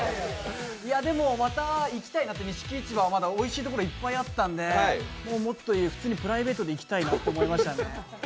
でも、また行きたいなって、錦市場はおいしいところ、いっぱいあったんで、もっとゆっくりプライベートで行きたいなと思いましたね。